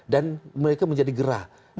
dan mereka menjadi gerah